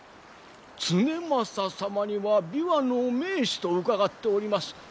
経正様には琵琶の名手と伺っております。